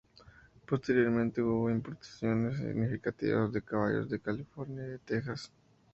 Posteriormente hubo importaciones significativas de caballos de California y de Texas.